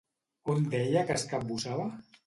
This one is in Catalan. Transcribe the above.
On deia que es capbussava?